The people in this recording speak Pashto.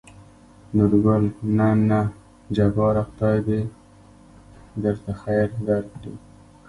نورګل: نه نه جباره خداى د درته خېر درکړي.